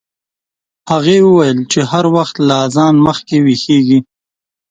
هغې وویل چې هر وخت له اذان مخکې ویښیږي.